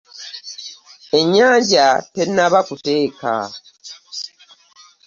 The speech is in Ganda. Ennyanja tenaba kuteeka.